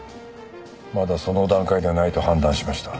まだその段階ではないと判断しました。